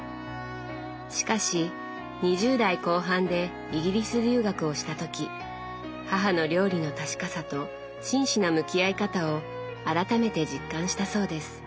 しかし２０代後半でイギリス留学をした時母の料理の確かさと真摯な向き合い方を改めて実感したそうです。